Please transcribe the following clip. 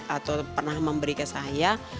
atau pernah memberi ke saya